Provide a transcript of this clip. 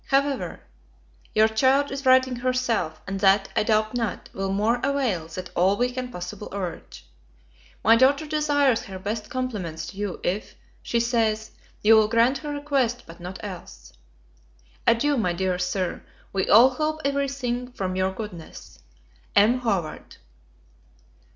However, your child is writing herself; and that, I doubt not, will more avail than all we can possible urge. My daughter desires her best compliments to you if, she says, you will grant her request but not else. Adieu, my dear Sir, we all hope every thing from your goodness. M. HOWARD.